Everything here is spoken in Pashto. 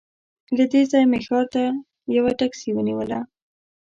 له دې ځایه مې ښار ته یوه ټکسي ونیوله.